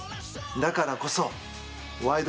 だからこそ「ワイド！